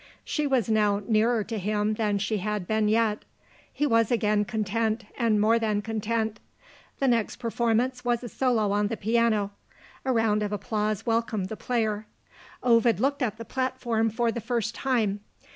She was now nearer to him than she had been yet. He was again content, and more than content. The next performance was a solo on the piano. A round of applause welcomed the player. Ovid looked at the platform for the first time.